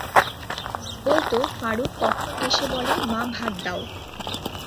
মা বলত ফারুক কখন এসে বলে, মা ভাত দাও।